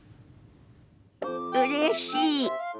うれしい。